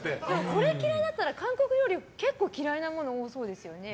これ嫌いだったら韓国料理嫌いなものが多そうですよね。